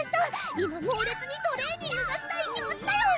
今猛烈にトレーニングがしたい気持ちだよ！